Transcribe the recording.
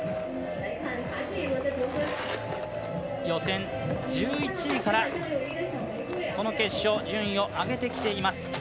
予選１１位からこの決勝順位を上げてきています